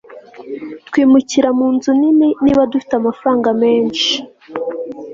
Twimukira munzu nini niba dufite amafaranga menshi